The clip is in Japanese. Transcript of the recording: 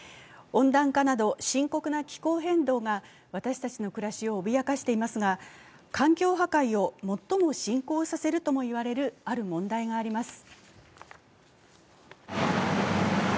温暖化など深刻な気候変動が私たちの暮らしを脅かしていますが、環境破壊を最も進行させるともいわれる、ある問題があります。